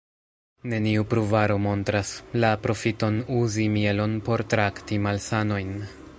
Neniu pruvaro montras la profiton uzi mielon por trakti malsanojn.